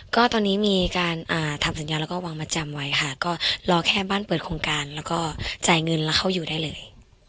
ก็ตอนนี้มีการทำสัญญาแล้วก็วางมาจำไว้ค่ะก็รอแค่บ้านเปิดโครงการแล้วก็จ่ายเงินแล้วเข้าอยู่ได้เลย